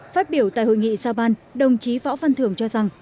phát biểu tại hội nghị giao ban đồng chí võ văn thưởng cho rằng